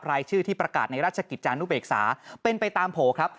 รายชื่อที่ประกาศในราชกิจจานุเบกษาเป็นไปตามโผล่ครับ